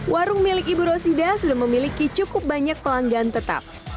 warung milik ibu rosida sudah memiliki cukup banyak pelanggan tetap